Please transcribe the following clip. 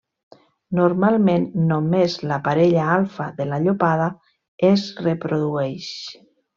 Normalment, només la parella alfa de la llopada es reprodueix.